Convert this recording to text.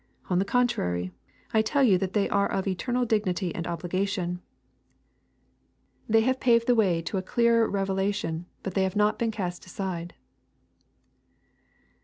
On the contrary, [ tell you that they are of eternal dignity ani obligation. The LUKE, CHAP. XVI. 211 hiiye paved the way to a clearer revelation, but they have notbeec cast aside."